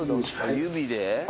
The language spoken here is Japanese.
指で。